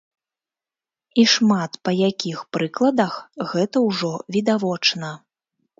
І шмат па якіх прыкладах гэта ўжо відавочна.